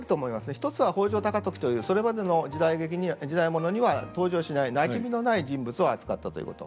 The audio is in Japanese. １つは北条高時というそれまでの時代物には登場しないなじみのない人物を扱ったということ。